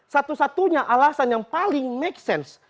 satu satunya alasan yang paling make sense